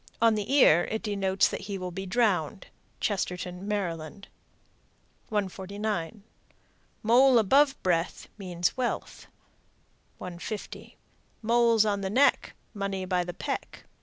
On the ear it denotes that he will be drowned. Chestertown, Md. 149. Mole above breath Means wealth. 150. Moles on the neck, Money by the peck.